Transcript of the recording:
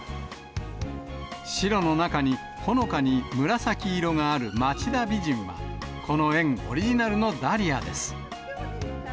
白の中にほのかに紫色がある町田美人は、この園オリジナルのダリアです。